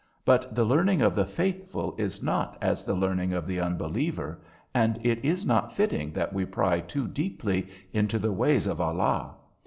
But the learning of the faithful is not as the learning of the unbeliever, and it is not fitting that we pry too deeply into the ways of Allah.